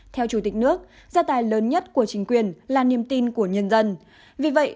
theo chủ tịch nước gia tài lớn nhất của chính quyền là niềm tin của nhân dân vì vậy